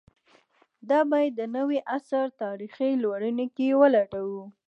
دا باید د نوي عصر تاریخي لورینو کې ولټوو.